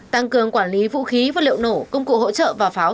tăng cường quản lý vũ khí vật liệu nổ công cụ hỗ trợ và pháo